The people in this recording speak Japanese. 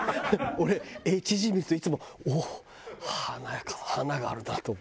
俺ＨＧ見るといつも「おっ！華やか華があるな」と思う。